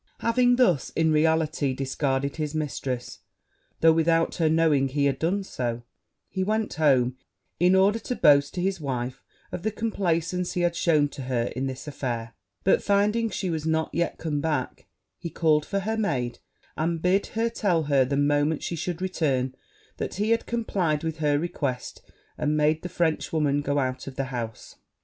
Having thus, in reality, discarded, his mistress, though without her knowing he had done so, he went home, in order to boast to his wife of the complaisance he had shewn to her in this affair; but, finding she was not yet come back, he called for her maid, and bid her tell her, the moment she should return, that he had complied with her request, and made the Frenchwoman go out of the house.